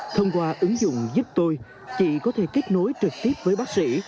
thông qua ứng dụng giúp tôi chị có thể kết nối trực tiếp với bác sĩ